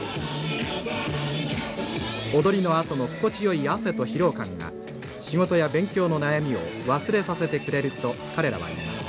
「踊りのあとの心地よい汗と疲労感が仕事や勉強の悩みを忘れさせてくれると彼らは言います」。